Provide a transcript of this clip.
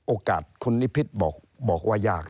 โอกาสคุณนิพิษบอกว่ายาก